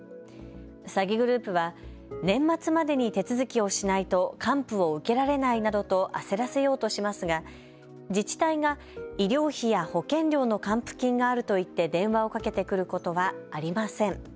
詐欺グループは年末までに手続きをしないと還付を受けられないなどと焦らせようとしますが、自治体が医療費や保険料の還付金があると言って電話をかけてくることはありません。